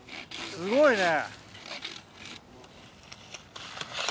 すごいね。